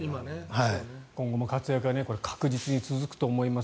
今後も活躍が確実に続くと思います。